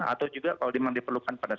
atau juga kalau memang diperlukan pada